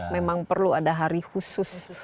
memang perlu ada hari khusus